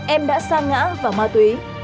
em đã xa ngã vào ma túy